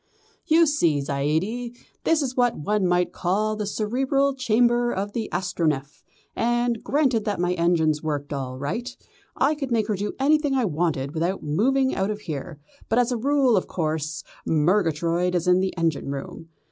"You see, Zaidie, this is what one might call the cerebral chamber of the Astronef, and, granted that my engines worked all right, I could make her do anything I wanted without moving out of here, but as a rule, of course, Murgatroyd is in the engine room.